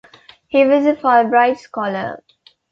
He was a Fulbright Scholar.